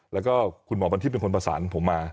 แล้วก็คุณหมอบันทิพย์เป็นคนประสานผมมา